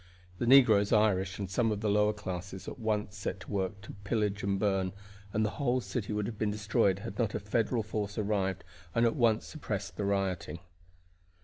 The negroes, Irish, and some of the lower classes at once set to work to pillage and burn, and the whole city would have been destroyed had not a Federal force arrived and at once suppressed the rioting.